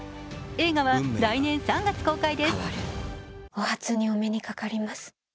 映画は来年３月公開です。